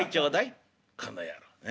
「この野郎え？